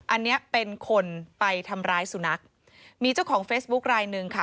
อันนี้เป็นคนไปทำร้ายสุนัขมีเจ้าของเฟซบุ๊คลายหนึ่งค่ะ